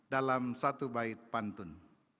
dalam satu baik pantun